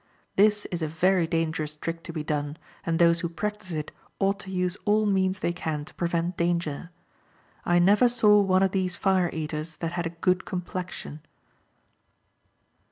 This is a very dangerous trick to be done, and those who practice it ought to use all means they can to prevent danger. I never saw one of these fire eaters that had a good complexion.